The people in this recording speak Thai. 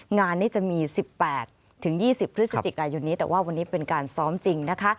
งานนี้จะมี๑๘๒๐พฤศจิกายนนี้แต่ว่าวันนี้เป็นการซ้อมจริงนะคะ